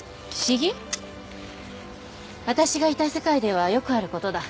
私がいた世界ではよくあることだ。